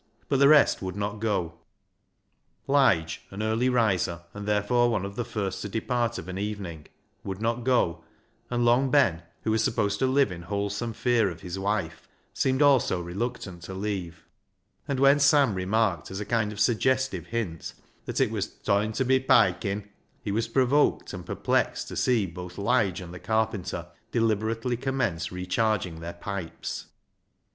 But the rest would not go. Lige— an earh' riser, and therefore one of the first to depart of an evening — would not go, and Long Ben, who was supposed to live in wholesome fear of his wife, seemed also reluctant to leave ; and when Sam remarked, as a kind of suggestive hint, that it was " toime ta be piking," he was provoked and perplexed to see both Lige and the carpenter deliberately commence re charging their pipes.